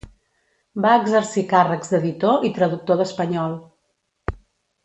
Va exercir càrrecs d'editor i traductor d'espanyol.